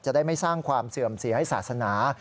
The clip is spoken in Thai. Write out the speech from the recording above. ได้ไม่สร้างความเสื่อมเสียให้ศาสนา